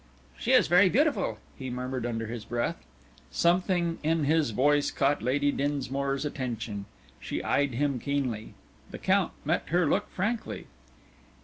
"She is very beautiful," he murmured under his breath. Something in his voice caught Lady Dinsmore's attention. She eyed him keenly. The Count met her look frankly.